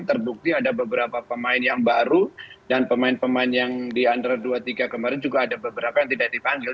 terbukti ada beberapa pemain yang baru dan pemain pemain yang di under dua tiga kemarin juga ada beberapa yang tidak dipanggil